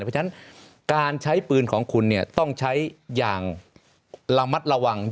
เพราะฉะนั้นการใช้ปืนของคุณเนี่ยต้องใช้อย่างระมัดระวัง